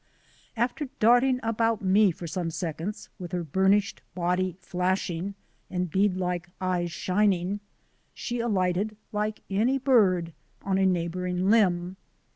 After darting about me for some seconds, with her burnished body flashing and bead like eyes shining, she alighted like any bird on a neighbouring limb.